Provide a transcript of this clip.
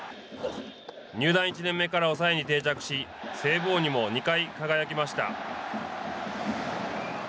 入団１年目から抑えに定着しセーブ王にも２回、輝きました。